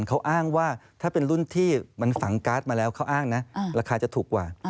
เขาอ้างว่าถ้าเป็นรุ่นที่มันฝังการ์ดมาแล้วเขาอ้างนะราคาจะถูกกว่า